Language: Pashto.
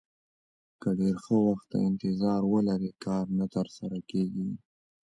که ډېر ښه وخت ته انتظار ولرئ کار نه ترسره کېږي.